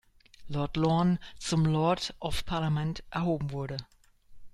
Lord Lorne zum Lord of Parliament erhoben wurde.